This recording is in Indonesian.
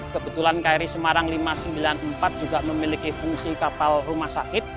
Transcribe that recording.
kebetulan kri semarang lima ratus sembilan puluh empat juga memiliki fungsi kapal rumah sakit